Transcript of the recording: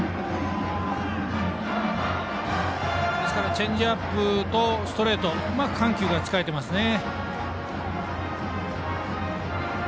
チェンジアップとストレートうまく緩急が使えていますね。